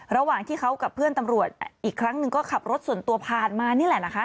ระหว่างที่เขากับเพื่อนตำรวจอีกครั้งหนึ่งก็ขับรถส่วนตัวผ่านมานี่แหละนะคะ